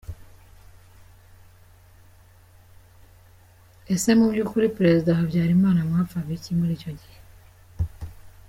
c.Ese mu byukuri President Habyarimana mwapfaga iki muri icyo gihe?